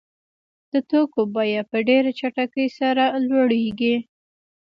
د توکو بیه په ډېره چټکۍ سره لوړېږي